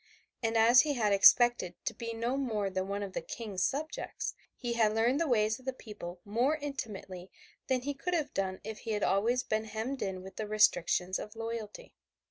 And as he had expected to be no more than one of the King's subjects, he had learned the ways of the people more intimately than he could have done if he had always been hemmed in with the restrictions of royalty.